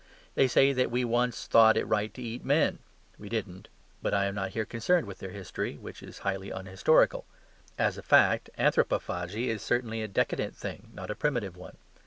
They say that we once thought it right to eat men (we didn't); but I am not here concerned with their history, which is highly unhistorical. As a fact, anthropophagy is certainly a decadent thing, not a primitive one.